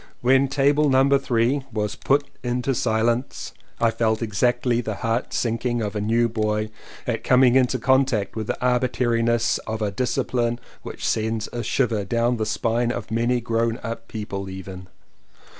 When table No. 3 was "put into silence" I felt exactly the heart sinking of a new boy at coming into contact with the arbitrariness of a discipline which sends a shiver down the spine of many grown up people even.